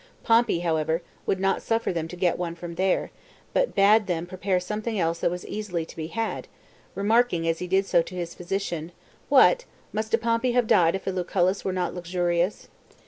Pompey, however, would not sufferthem to get one from there, but bade them prepare something else that was easily to be had, remarking as he did so to his physician, «What ! must a Pompey have died if a Lucullus were not luxurious?"